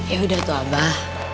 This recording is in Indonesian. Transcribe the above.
yaudah tuh abah